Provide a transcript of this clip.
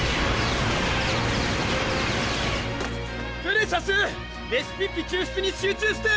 ・プレシャスレシピッピ救出に集中して！